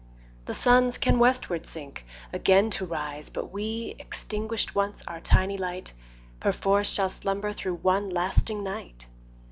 The Suns can westward sink again to rise But we, extinguished once our tiny light, 5 Perforce shall slumber through one lasting night!